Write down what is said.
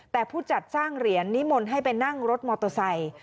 แต่ผู้จัดสร้างเหรียญนิมนต์ให้ไปนั่งรถมอเตอร์ไซค์